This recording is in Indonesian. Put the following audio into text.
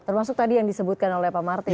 termasuk tadi yang disebutkan oleh pak martin